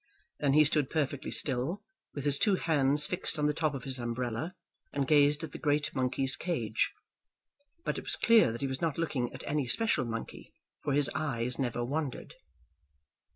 Then he stood perfectly still, with his two hands fixed on the top of his umbrella, and gazed at the great monkeys' cage. But it was clear that he was not looking at any special monkey, for his eyes never wandered.